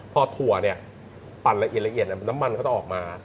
พอถั่วเนี่ยปั่นละเอียดน้ำมันเขาจะออกมา